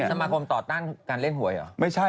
สมาคมต่อต้านการเล่นหวยเหรอ